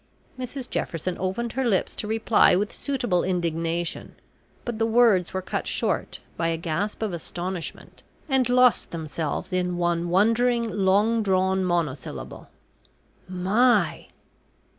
Mrs Jefferson opened her lips to reply with suitable indignation, but the words were cut short by a gasp of astonishment, and lost themselves in one wondering, long drawn monosyllable "My